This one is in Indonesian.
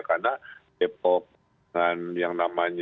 karena depokan yang namanya